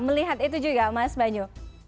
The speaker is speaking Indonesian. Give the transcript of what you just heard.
melihat itu juga mas banyu